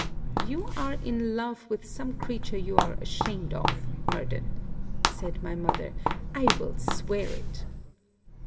'You are in love with some creature you are ashamed of, Murden,' said my mother; 'I will swear it.'